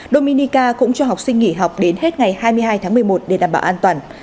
dominica cũng cho học sinh nghỉ học đến hết ngày hai mươi hai tháng một mươi một để đảm bảo an toàn